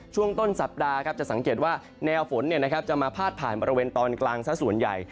ช่วงต้นสัปดาห์ครับจะสังเกตว่าแนวฝนจะมาพาดผ่านบริเวณตอนกลางซะส่วนใหญ่